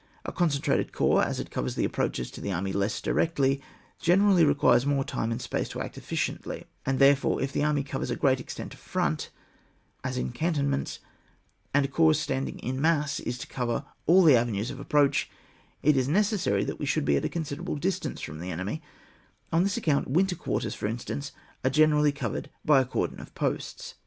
A concentrated corps, as it covers the approaches to the army less directly, generally requires more time and space to act efficiently; and therefore, if the army covers a great extent of front, as in canton in ants, and a corps standing in mass is to cover all the avenues of approach, it is ne cessary that we should be at a considerable distance from the enemy ; on this account winter quarters, for instance, are gene rally covered by a cordon of posts.